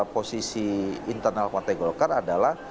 posisi internal partai golkar adalah